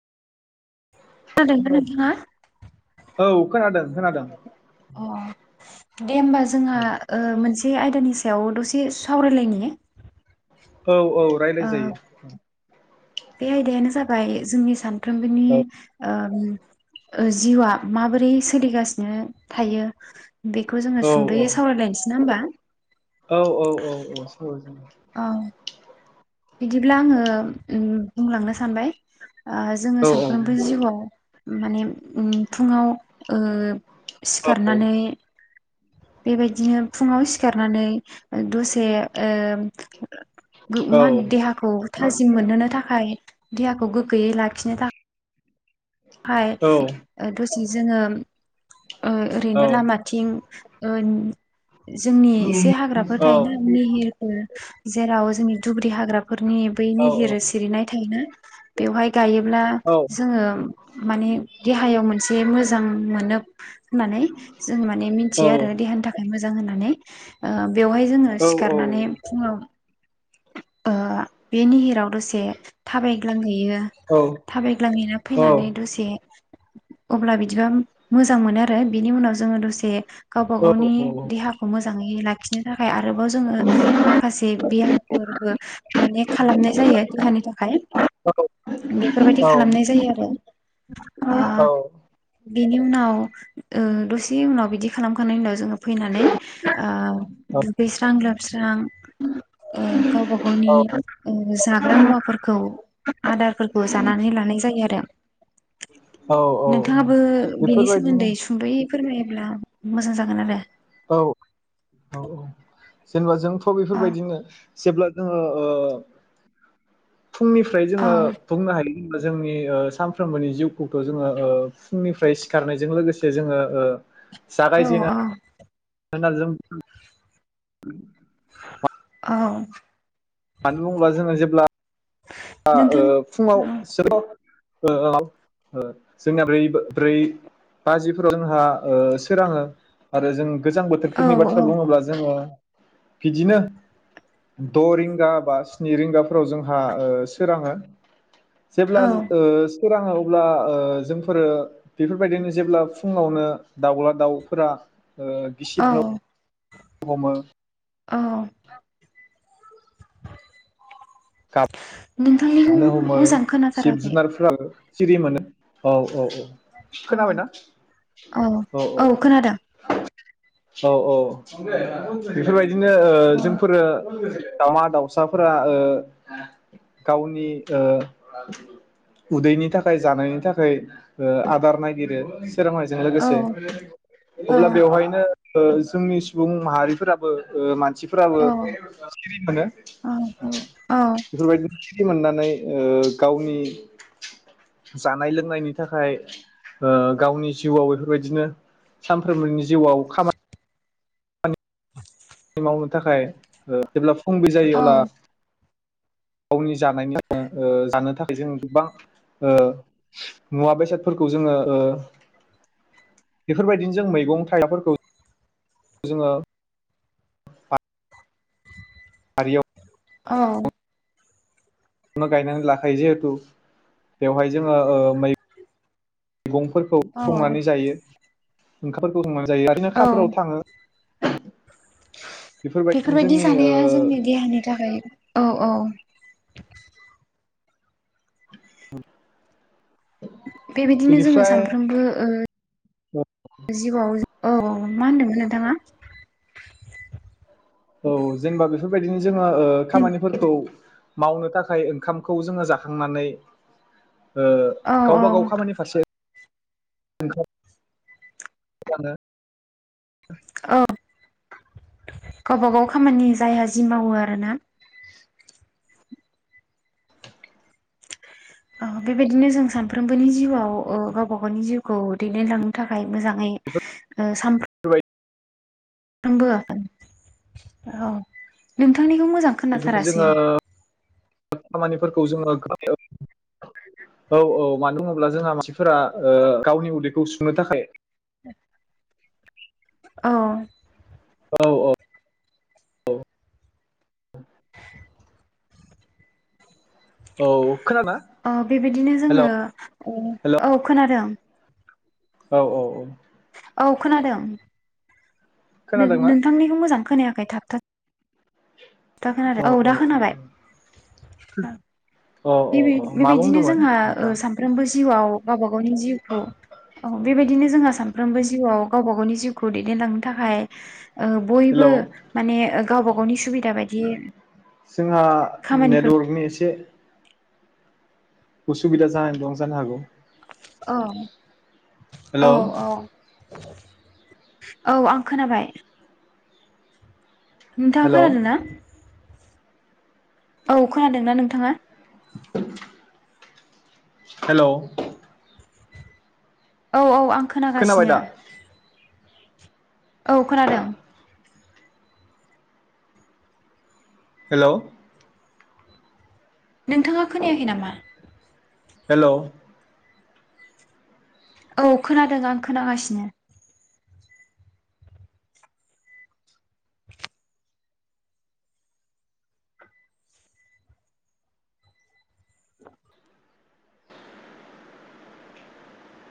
खोनादों दा नोंथाङा? औ। खोनादों खोनादों। अ दे होमबा जोंहा ओ मोनसे बे आयदानि सायाव दसे सावरायलाय नी औ औ रायलाय जायो। बे आयदायानो जाबाय जोंनि सान फ्रोमबोनि ओम ओ जिउआ माबोरै सोलिगासिनो थायो? बेखौ जोङो औ औ सुंद'यै सावरायलायनोसै ना होमबा? औ औ औ औ साव औ बिदिब्ला आङो उम बुंलांनो सानबाय। ओ जोङो औ सानफ्रोमबोनि जिउआव माने उम फुङाव ओ औ सिखारनानै बेबायदिनो फुङाव सिखारनानै दसे ओ गो औ मान देहाखौ थाजिम मोनहोनो थाखाय देहाखौ गोग्गोयै लाखिनो थाखाय [unintelligible] जि जोङो ओ औ ओरैनो लामाथिं [unintelligible] जोंनि एसे हाग्राफोर थायोना निहिर [unintelligible] जेराव जोंनि दुब्रि हाग्राफोरनि बै निहिर सिरिनाय थायोना? बेवहाय गायोब्ला जोङो माने देहायाव मोनसे जे मोजां मोनो होननानै जों माने मिथियो आरो देहानि थाखाय मोजां मोजां होननानै ओ बेवहाय जोङो औ सिखारनानै फुङाव ओ बे निहिर आव दसे थाबायग्लांहैयो औ औ थाबायग्लांहैना फैनानै दसे अब्ला बिदिबा मोजां मोनो आरो बिनि उनाव जोङो दसे गावबा गावनि देहाखौ मोजां मोजाङै लाखिनो थाखाय आरोबाव जोङो माखासे बियाम। फोरबो माने खालामनाय जायो देहानि थाखाय बेफोरबायदि खालामनाय जायो आरो ओ बिनि उनाव ओ-दसे उनाव बिदि खालामखनायनि उनाव जोङो। फैनानै ओ-दुगैस्रां लोबस्रां। ओ- गावबा गावनि ओ- जाग्रा मुवाफोरखौ आदारफोरखौ जानानै लानाय। जायो आरो। नोंथाङाबो बेनि बेफोरबायदिनो सोमोन्दै सुंदयै। फोरमायोब्ला मोजां जागोन आरो। औ औ औ जेनेबा जोंथ' औ बेफोरबायदिनो। जेब्ला जोङो ओ - फुंनिफ्राय औ जोङो बुंनो हायो। जोंनि ओ- सानफ्रोमबोनि जिउखौथ' जोङो ओ- फुंनिफ्राय सिखारनायजों लोगोसे जोङो ओ - औ जागायजेनो। औ [unintelligible] जोम औ। मानो बुङोब्ला जोङो जेब्ला। आ- ओ नोंथां फुङाव सोराव ओ-औ जोंनिया बै ब्रै बाजिफोराव जोंहा ओ- सोराङो आरो जों। गोजां औ बोथोरफोरनि औ बाथ्रा बुङोब्ला जोङो। बिदिनो द' रिंगा बा स्नि रिंगाफोराव जोंहा ओ - सोराङो। औ जेब्ला ओ स सोराङो अब्ला ओ-जोंफोरो बेफोरबायदिनो जेब्ला फुङावनो दाउला दाउफोरा। ओ गिसिब न' हमो। अ। [unintelligible] नोंथांनिखौ गाबनो हमो मोजां जिब खोनाथाराखै। जुनारफोराबो सिरि मोनो औ औ औ। औ खोनाबायना औ औ। औ औ बेफोरबायदि। बिदिनो ओ औ जोंफोरो। दाउमा दाउसाफोरा ओ- गावनि ओ-उदैनि थाखाय जानायनि थाखाय ओ-आदार नागिरो। सोरोंनायजों औ लोगोसे औ अब्ला बेवहायनो। औ जोंनि सुबुं माहारिफोराबो ओ माने मानसिफोराबो [unintelligible] औ ओं औ औ बेफोरबायदि [unintelligible] मोननानै ओ गावनि जानाय लोंनायनि थाखाय ओ गावनि जिउआव बेफोरबायदिनो सानफ्रोमबोनि जिउआव खामा मावनो थाखाय ओ [unintelligible] फुंबिलि जायो अब्ला गावनि जानायनि [unintelligible] ओ जानो थाखाय जों गोबां ओ मुवा बेसादफोरखौ जोङो ओ बेफोरबायदिनो जों मैगं थाइलाफोरखौ जोङो [unintelligible] [unintelligible] औ। गायनानै लाखायो जिहेथु बेवहाय जोङो ओ मै गंफोरखौ औ संनानै जायो। [unintelligible] माने जायो औ ओरैनो [unintelligible] थाङो बेफोरबायदिनो बेफोरबायदि जोंनि ओ जानाया जोंनि देहानि थाखाय औ औ [inaudible] बेबायदिनो जोङो बेनिफ्राय सानफ्रोमबो ओ जिउआव जों औ मा होनदोंमोन नोंथाङा? औ जेनबा बेफोरबायदिनो जोङो ओ खामानिफोरखौ मावनो थाखाय ओंखामखौ जोङो जाखांनानै ओ औ गावबा गाव खामानि फारसे [unintelligible] औ गावबा गाव खामानि जायहा जि मावो आरोना अ बेबायदिनो जों सानफ्रोमबोनि जिउआव ओ गावबा गावनि जिउखौ दैदेनलांनो थाखाय मोजाङै ओ सानफ्रो [unintelligible] औ नोंथांनिखौ मोजां बेफोरबायदिनो खोनाथारासै। जोङो खामानिफोरखौ जोङो [unintelligible] औ औ मानो बुङोब्ला जोंहा मानसिफोरा ओ गावनि उदैखौ सुफुंनो थाखाय औ। औ औ। [inaudible] औ। खोनादोंना? अ बेबायदिनो हेलौ जोङो हेलौ औ खोनादों। औ औ औ। औ खोनादों। नों खोनादोंना? नोंथांनिखौ मोजां खोनायाखै थाबथा था खोनादों औ दा खोनाबाय औ। औ औ बेबि औ मा बेबायदिनो बुंदोंमोन जोंहा ओ नोंथाङा? सानफ्रोमबो जिउआव गावबा गावनि जिउखौ औ बेबायदिनो जोंहा सानफ्रोमबो जिउआव गावबा गावनि जिउखौ दैदेनलांनो थाखाय ओ बयबो हेलौ माने ओ गावबा गावनि सुबि दा बायदि जोंहा खामानिफोर नेटवर्कनि एसे उसुबिदा जानानै दं जानो हागौ। औ औ हेलौ औ। औ आं खोनाबाय। नोंथाङा हेलौ खोनादों ना? औ खोनादों ना नोंथांङा? [inaudible] हेल। औ औ आं खोनाबाय खोनागासिनो। दा औ खोनादों। हेल'। नोंथांङा खोनायाखै नामा? हेल' औ खोनादों आं खोनागासिनो।